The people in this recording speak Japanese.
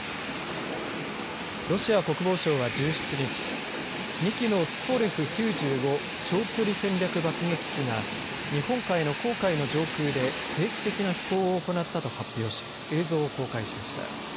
ロシア国防省は１７日２機のツポレフ９５長距離戦略爆撃機が日本海の公海の上空で定期的な飛行を行ったと発表し映像を公開しました。